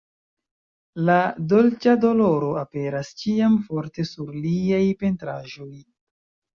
La "dolĉa doloro" aperas ĉiam forte sur liaj pentraĵoj.